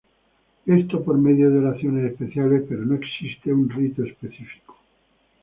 Esto por medio de oraciones especiales pero no existe un rito específico.